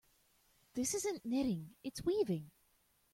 This isn't knitting, its weaving.